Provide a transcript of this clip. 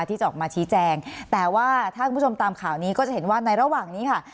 ที่จะออกมาชี้แจงแต่ว่าถ้าคุณผู้ชมตามข่าวนี้ก็จะเห็นว่าในระหว่างนี้ค่ะ